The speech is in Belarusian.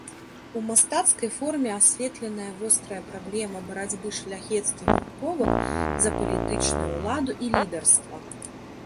У мастацкай форме асветленая вострая праблема барацьбы шляхецкіх груповак за палітычную ўладу і лідарства.